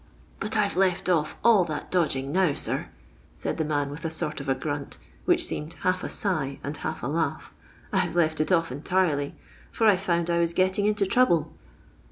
'* But I 've left off all that do^ng now, sir," said the man with a sort of a grunt, which seemed half a sigh and half a laugh ;1 've leh it off entirely, for I found I was getting into trouble."